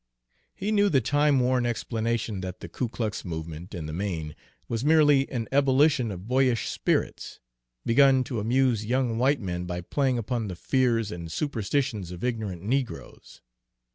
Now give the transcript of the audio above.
He knew the timeworn explanation that the Ku Klux movement, in the main, was merely an ebullition of boyish spirits, begun to amuse young white men by playing upon the fears and superstitions of ignorant negroes.